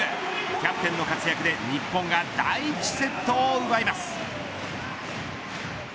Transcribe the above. キャプテンの活躍で日本が第１セットを奪います。